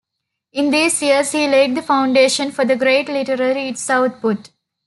In these years he laid the foundation for the great literary its output.